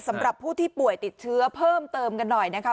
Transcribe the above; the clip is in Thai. สำหรับผู้ที่ป่วยติดเชื้อเพิ่มเติมกันหน่อยนะคะ